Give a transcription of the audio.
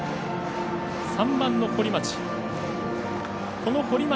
３番の堀町。